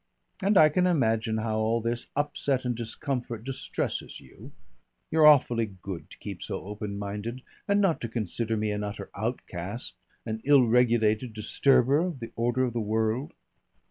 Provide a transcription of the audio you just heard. And I can imagine how all this upset and discomfort distresses you. You're awfully good to keep so open minded and not to consider me an utter outcast, an ill regulated disturber of the order of the world."